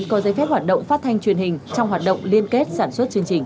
có giấy phép hoạt động phát thanh truyền hình trong hoạt động liên kết sản xuất chương trình